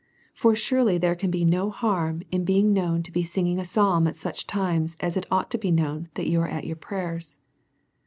For surely, there can be no harm in being known to be singing a psalm, at such times as it ought to be known that you are at your prayers.